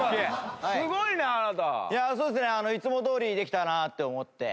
いやそうですね。いつもどおりにできたなって思って。